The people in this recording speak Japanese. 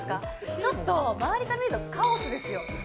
ちょっと周りから見ると、カオスですよ。